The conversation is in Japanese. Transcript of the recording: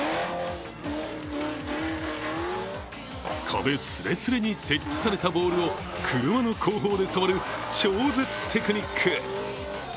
壁すれすれに設置されたボールを車の後方で触る超絶テクニック。